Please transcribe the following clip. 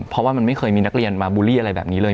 เพราะว่ามันไม่เคยมีนักเรียนมาบูลลี่อะไรแบบนี้เลย